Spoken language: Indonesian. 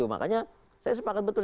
makanya saya sepakat betul